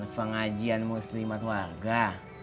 pengajian muslimat warga